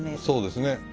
そうですね。